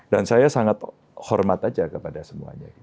dan saya sangat hormat saja kepada semuanya